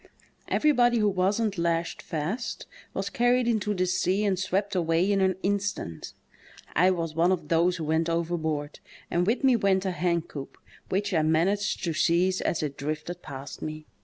Everybody who wasn't lashed fast was carried into the sea and swept away in an instant. I was one of those who went overboard, and with me went a hencoop, which I managed to ^ize as it drifted past me.